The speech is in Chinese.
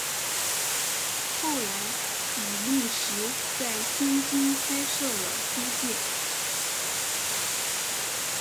后来比利时在天津开设了租界。